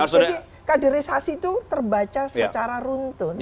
jadi kaderisasi itu terbaca secara runtun